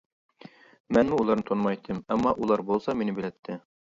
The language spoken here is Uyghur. مەن ئۇلارنى تونۇمايتتىم، ئەمما ئۇلار بولسا مېنى بىلەتتى.